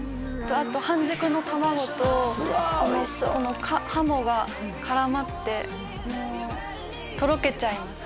あと半熟の卵とこのハモが絡まってもうとろけちゃいます